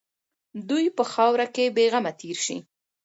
دوی په خاوره کې بېغمه تېر شي.